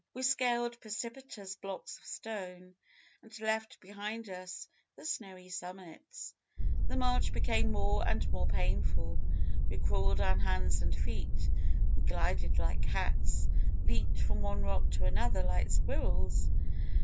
We scaled precipitous blocks of stone, and left behind us the snowy summits. The march became more and more painful. We crawled on hands and feet, we glided like cats, leaped from one rock to another like squirrels.